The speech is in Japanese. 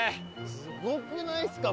すごくないですか？